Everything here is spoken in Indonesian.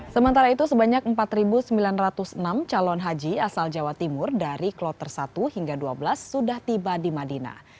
sementara itu sebanyak empat sembilan ratus enam calon haji asal jawa timur dari kloter satu hingga dua belas sudah tiba di madinah